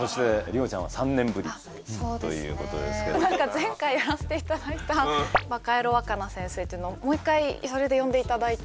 前回やらせていただいた「バカヤロわかな先生」っていうのをもう一回それで呼んでいただいて。